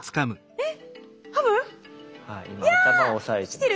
えっ？